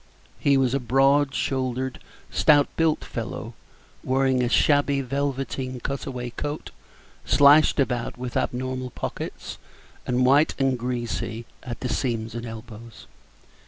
He was a broad shouldered, stout built fellow, wearing a shabby velveteen cut away coat, slashed about with abnormal pockets, and white and greasy at the seams and elbows.